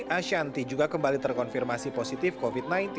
ashanti juga kembali terkonfirmasi positif covid sembilan belas